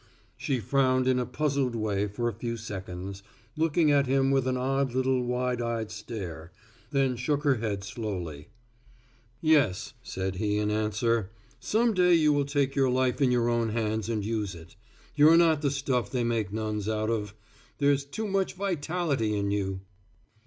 She frowned in a puzzled way for a few seconds, looking at him with an odd little wide eyed stare, then shook her head slowly. "Yes," said he in answer. "Some day you will take your life in your own hands and use it. You're not the stuff they make nuns out of. There's too much vitality in you.